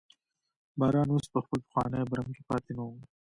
باران اوس په خپل پخواني برم کې پاتې نه و.